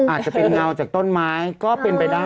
อาจจะเป็นเงาจากต้นไม้ก็เป็นไปได้